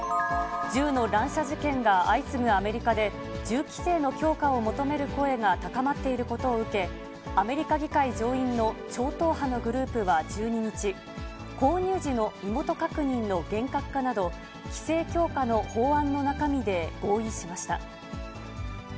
銃の乱射事件が相次ぐアメリカで、銃規制の強化を求める声が高まっていることを受け、アメリカ議会上院の超党派のグループは１２日、購入時の身元確認の厳格化など、規制強化の法案の中身で合意しました。